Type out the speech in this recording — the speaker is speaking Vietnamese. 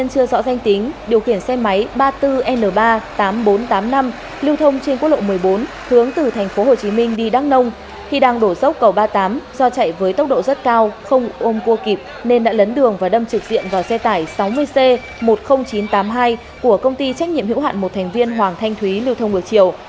lưu thông trên quốc lộ một mươi bốn hướng từ thành phố hồ chí minh đi đăng nông khi đang đổ dốc cầu ba mươi tám do chạy với tốc độ rất cao không ôm cua kịp nên đã lấn đường và đâm trực diện vào xe tải sáu mươi c một mươi nghìn chín trăm tám mươi hai của công ty trách nhiệm hữu hạn một thành viên hoàng thanh thúy lưu thông được chiều